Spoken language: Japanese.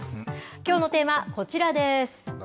きょうのテーマはこちらです。